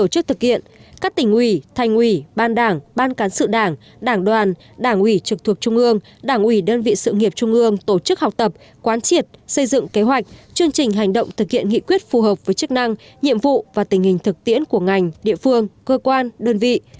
các tỉnh ủy thành ủy ban đảng ban cán sự đảng đảng đoàn đảng ủy trực thuộc trung ương đảng ủy đơn vị sự nghiệp trung ương tổ chức học tập quán triệt xây dựng kế hoạch chương trình hành động thực hiện nghị quyết phù hợp với chức năng nhiệm vụ và tình hình thực tiễn của ngành địa phương cơ quan đơn vị